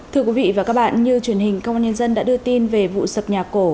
thưa quý vị và các bạn như truyền hình công an nhân dân đã đưa tin về vụ sập nhà cổ